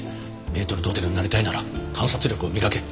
メートル・ドテルになりたいなら観察力を磨け！